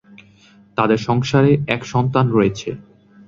তাদের সংসারে এক সন্তান রয়েছে।